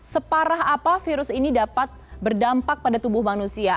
separah apa virus ini dapat berdampak pada tubuh manusia